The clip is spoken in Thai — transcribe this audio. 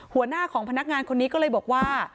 หัวหน้าของพนักงานคนนี้ก็เลยบอกว่า